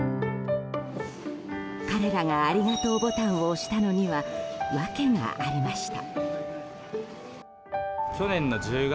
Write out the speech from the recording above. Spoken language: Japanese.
彼らがありがとうボタンを押したのには訳がありました。